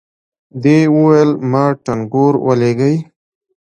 دې وويل ما ټنګور ولېږئ.